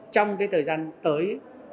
trong cái thời gian tới